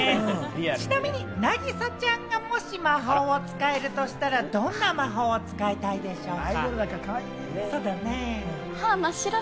ちなみに凪咲ちゃんがもし魔法を使えるとしたら、どんな魔法を使いたいでしょうか？